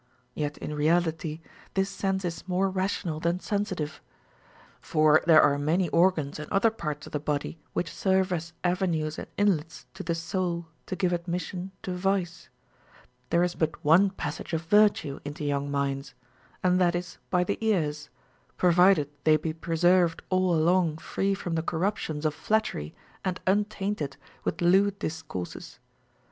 Yet in reality this sense is more rational than sensitive. For there are many organs and other parts of the body Avhich serve as avenues and inlets to the soul to give admission to vice ; there is but one passage of virtue into young minds, and that is by the ears, provided they be preserved all along free from the corrup tions of flattery and untainted with lewd discourses.